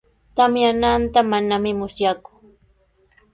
Tamyananta manami musyaaku.